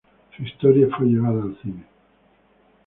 Su historia fue llevada al cine.